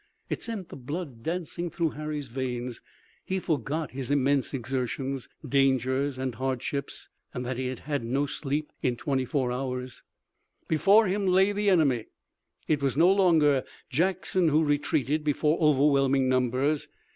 It sent the blood dancing through Harry's veins. He forgot his immense exertions, dangers and hardships and that he had had no sleep in twenty four hours. Before him lay the enemy. It was no longer Jackson who retreated before overwhelming numbers.